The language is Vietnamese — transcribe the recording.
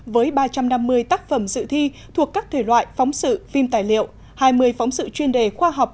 với ba trăm năm mươi tác phẩm dự thi thuộc các thể loại phóng sự phim tài liệu hai mươi phóng sự chuyên đề khoa học